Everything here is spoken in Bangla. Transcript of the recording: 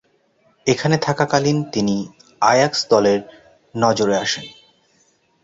এখানে থাকাকালীন তিনি আয়াক্স দলের নজরে আসেন।